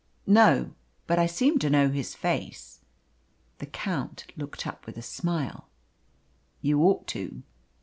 "No. But I seem to know his face." The Count looked up with a smile. "You ought to.